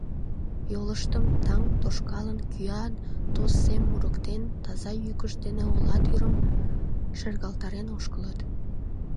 Йолыштым таҥ тошкалын, кӱан тос сем мурыктен, таза йӱкышт дене ола тӱрым шергылтарен ошкылыт.